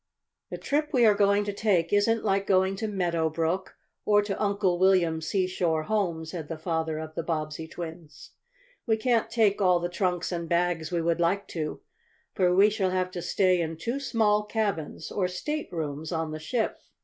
] "The trip we are going to take isn't like going to Meadow Brook, or to Uncle William's seashore home," said the father of the Bobbsey twins. "We can't take all the trunks and bags we would like to, for we shall have to stay in two small cabins, or staterooms, on the ship.